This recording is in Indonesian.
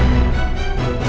nih ga ada apa apa